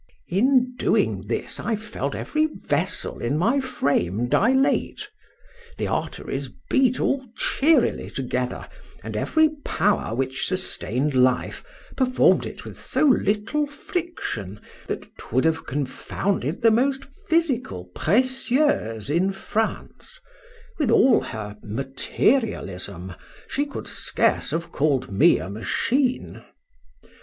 —In doing this, I felt every vessel in my frame dilate,—the arteries beat all cheerily together, and every power which sustained life, performed it with so little friction, that 'twould have confounded the most physical précieuse in France; with all her materialism, she could scarce have called me a machine.